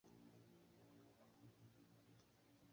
Namba hii ni marudio ya mawimbi haya.